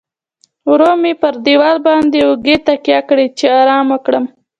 ورو مې پر دیواله باندې اوږې تکیه کړې، چې ارام وکړم.